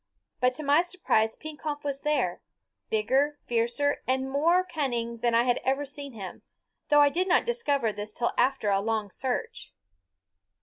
But to my surprise Pekompf was there, bigger, fiercer, and more cunning than I had ever seen him; though I did not discover this till after a long search.